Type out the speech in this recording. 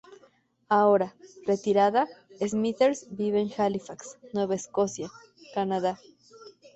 Ahora, retirada, Smithers vive en Halifax, Nueva Escocia, Canadá.